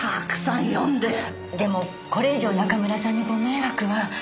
でもこれ以上中村さんにご迷惑は。